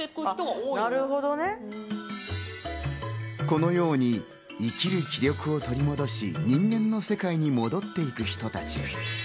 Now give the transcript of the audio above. このように生きる気力を取り戻し、人間の世界に戻っていく人たち。